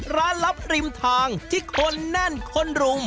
ลับริมทางที่คนแน่นคนรุม